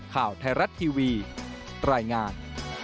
ข่าวไทยรัฐทีวีรายงาน